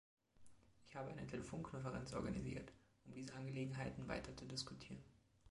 Ich habe eine Telefonkonferenz organisiert, um diese Angelegenheiten weiter zu diskutieren.